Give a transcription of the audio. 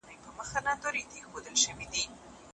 شپه له سپوږمۍ څخه ساتم جانانه هېر مي نه کې